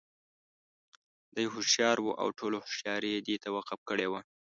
دى هوښيار وو او ټوله هوښياري یې دې ته وقف کړې وه.